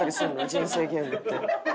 『人生ゲーム』って。